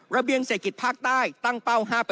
ระเบียงเศรษฐกิจภาคใต้ตั้งเป้า๕